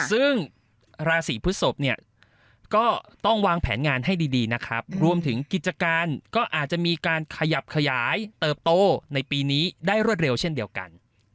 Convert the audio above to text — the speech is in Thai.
ซึ่งราศีพฤศพเนี่ยก็ต้องวางแผนงานให้ดีนะครับรวมถึงกิจการก็อาจจะมีการขยับขยายเติบโตในปีนี้ได้รวดเร็วเช่นเดียวกัน